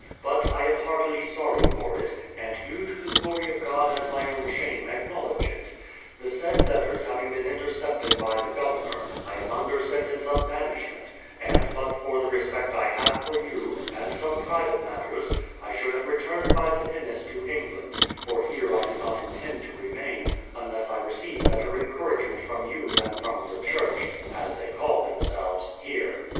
But I am heartily sorry for it, and do to the glory of God and my own shame acknowledge it. The said letters having been intercepted by the Governor, I am under sen tence of banishment; and but for the respect I have for you, and some private matters, I should have returned by the pinnace to England, for here I do not intend to remain, unless I receive better encouragement from you than from the church (as they call them selves) here.